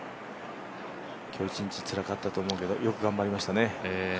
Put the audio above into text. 今日一日つらかったと思いますけど、よく頑張りましたね。